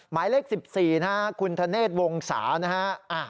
หมายเลข๑๔นะฮะคุณธเนศวงศานะฮะ